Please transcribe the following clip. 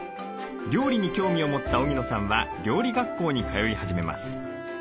料理に興味を持った荻野さんは料理学校に通い始めます。